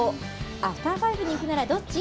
アフター５に行くならどっち？